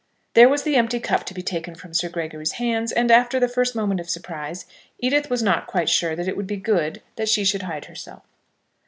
There was the empty cup to be taken from Sir Gregory's hands, and, after the first moment of surprise, Edith was not quite sure that it would be good that she should hide herself.